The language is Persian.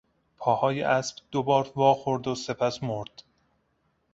پاهای اسب دوبار وا خورد و سپس مرد.